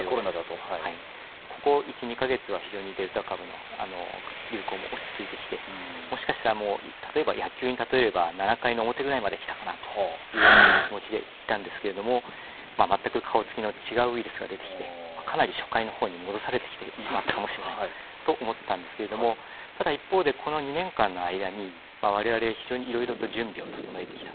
ここ１２か月は非常にデルタ株の流行も流行も落ち着いてきてもしかしたら例えば野球に例えれば７回表まで来たかなというような気持ちでいたんですけれども全く顔つきの違うウイルスが出てきてかなり初回のほうに戻されてきてしまったのかもしれないと思ったんですけれどもただ、この２年間の間にわれわれ非常にいろいろと準備をしてきた。